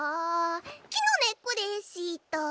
「木の根っこでした」